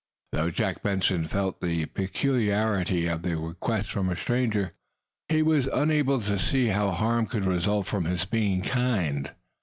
Though Jack Benson felt the peculiarity of the request from a stranger, he was unable to see how harm could result from his being kind.